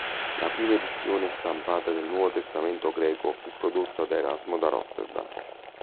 La prima edizione stampata del Nuovo Testamento Greco fu prodotta da Erasmo da Rotterdam.